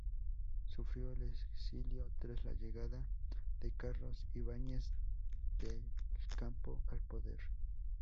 Sufrió el exilio tras la llegada de Carlos Ibáñez del Campo al poder.